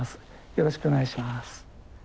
よろしくお願いします。